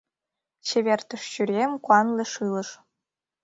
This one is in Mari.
Чевертыш чурием куанле шӱлыш.